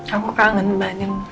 aku kangen mbak din